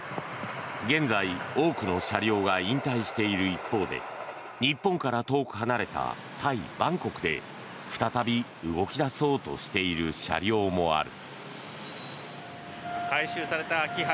現在、多くの車両が引退している一方で日本から遠く離れたタイ・バンコクで再び動き出そうとしている車両もある。